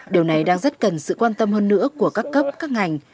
điều này đang rất cần sự quan tâm hơn nữa của các cấp các ngành